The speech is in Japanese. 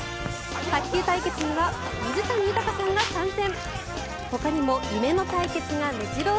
卓球対決には水谷豊さんが参戦。